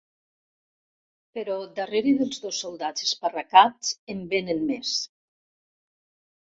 Però darrere dels dos soldats esparracats en vénen més.